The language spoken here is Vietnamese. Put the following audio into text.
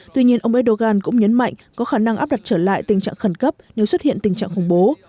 tuy nhiên ông erdogan cũng nhấn mạnh có khả năng áp đặt trở lại tình trạng khẩn cấp nếu xuất hiện tình trạng khủng bố